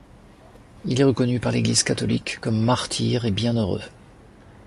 Il est reconnu par l'Église catholique comme martyr et bienheureux.